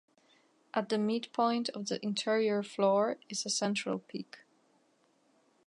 At the midpoint of the interior floor is a central peak.